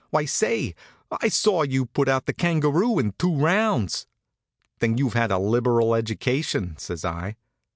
Why say, I saw you put out the Kangaroo in two rounds." "Then you've had a liberal education," says I.